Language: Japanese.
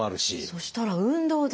そしたら運動で。